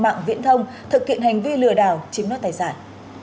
mạng viễn thông thực hiện hành vi lừa đảo chiếm đoạt tài sản